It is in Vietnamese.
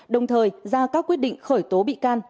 đồng thời ra các quyết định khởi tố bị can